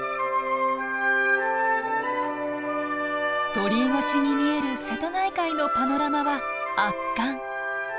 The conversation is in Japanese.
鳥居越しに見える瀬戸内海のパノラマは圧巻。